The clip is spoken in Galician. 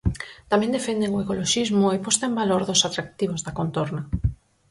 Tamén defenden o ecoloxismo e posta en valor dos atractivos da contorna.